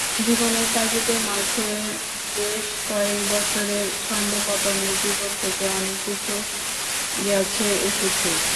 জীবনের তাগিদে মাঝে বেশ কয়েক বছরের ছন্দপতনে জীবন থেকে অনেক কিছু গেছে-এসেছে।